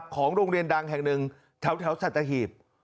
ของโรงเรียนดังแห่งหนึ่งแถวสัตหีบ